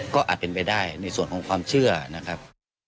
ก็อาจเป็นไปได้ในส่วนของความเชื่อนะครับ